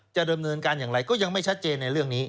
จะดำเนินการอย่างไรก็ยังไม่ชัดเจนในเรื่องนี้